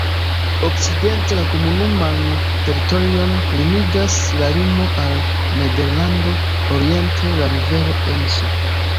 Okcidente la komunuman teritorion limigas la limo al Nederlando, oriente la rivero Emso.